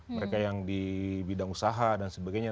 mereka yang di bidang usaha dan sebagainya